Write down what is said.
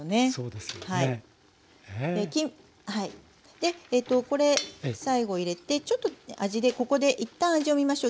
でこれ最後入れてちょっとここで一旦味をみましょう。